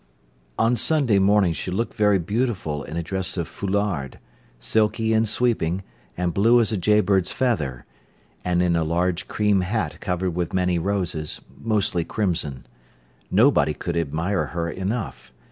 On Sunday morning she looked very beautiful in a dress of foulard, silky and sweeping, and blue as a jay bird's feather, and in a large cream hat covered with many roses, mostly crimson. Nobody could admire her enough.